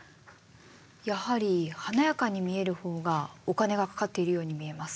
やはり華やかに見える方がお金がかかっているように見えます。